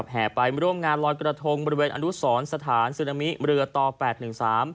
แห่ไปมาร่วมงานรอยกระทงบริเวณอนุสรรค์สถานศิรมิเมื่อเรือต่อ๘๑๓